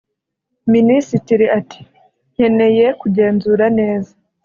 Minisitiri ati “Nkeneye kugenzura neza